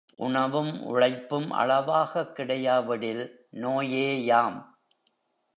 உணவும் உழைப்பும் அளவாகக் கிடையா விடில் நோயேயாம்.